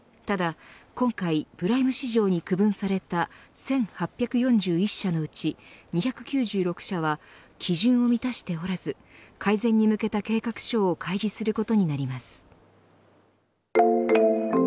ただ今回プライム市場に区分された１８４１社のうち２９６社は基準を満たしておらず改善に向けた計画書を開示することになります。